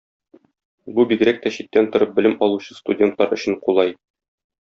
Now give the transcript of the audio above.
Бу бигрәк тә читтән торып белем алучы студентлар өчен кулай.